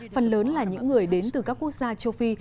phần lớn là những người đến từ các quốc gia châu phi